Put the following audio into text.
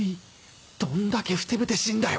どんだけふてぶてしいんだよ